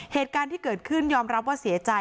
เหตุการณ์ที่เกิดขึ้นยอมรับว่าเสียใจ